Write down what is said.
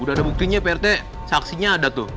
udah ada buktinya pak rt saksinya ada tuh